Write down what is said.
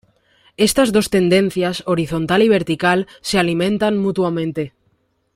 Estas dos tendencias, horizontal y vertical, se alimentan mutuamente.